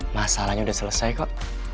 masalahnya udah selesai kok